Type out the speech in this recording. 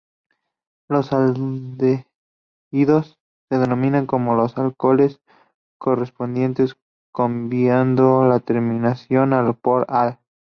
Los aldehídos se denominan como los alcoholes correspondientes, cambiando la terminación -ol por -al.